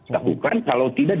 lakukan kalau tidak